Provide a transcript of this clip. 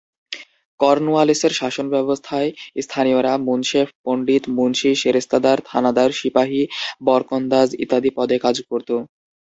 কর্নওয়ালিসের শাসনব্যবস্থায় স্থানীয়রা মুন্সেফ, পন্ডিত, মুন্সি, সেরেস্তাদার, থানাদার, সিপাহি, বরকন্দাজ ইত্যাদি পদে কাজ করত।